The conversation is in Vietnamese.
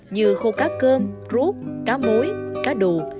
như khô cá cơm rút cá mối cá đù